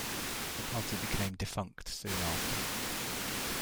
The party became defunct soon after.